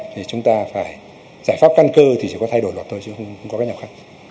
thì chúng ta phải giải pháp căn cơ thì chỉ có thay đổi luật thôi chứ không có cái nào khác